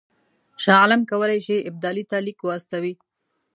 شاه عالم کولای شي ابدالي ته لیک واستوي.